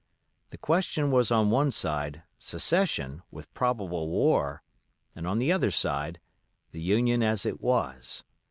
The question was on one side, Secession, with probable war; and on the other, the Union as it was.